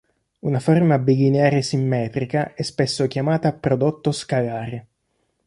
Una forma bilineare simmetrica è spesso chiamata prodotto scalare.